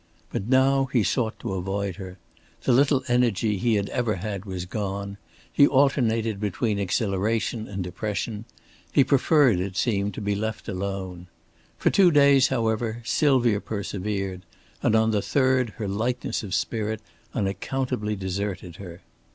But now he sought to avoid her. The little energy he had ever had was gone, he alternated between exhilaration and depression; he preferred, it seemed, to be alone. For two days, however, Sylvia persevered, and on the third her lightness of spirit unaccountably deserted her.